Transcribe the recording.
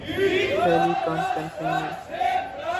ٹیلی conferencing م